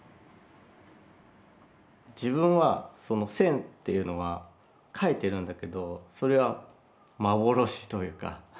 自分はその線っていうのは描いてるんだけどそれは幻というか。